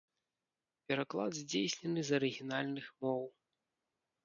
Пераклад здзейснены з арыгінальных моў.